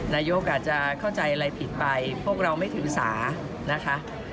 นายกอาจจะเข้าใจอะไรผิดไปพวกเราไม่ถือสานะคะ